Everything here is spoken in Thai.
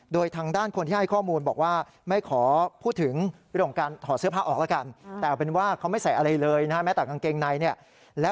โดยทางด้านคนที่ให้ข้อมูลบอกว่า